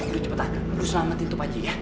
lu cepetan lu selamatin tuh paji ya